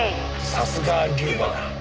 さすが龍馬だ。